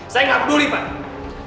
saya gak peduli mas